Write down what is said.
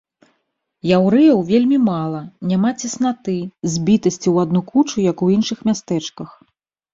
Яўрэяў вельмі мала, няма цеснаты, збітасці ў адну кучу, як у іншых мястэчках.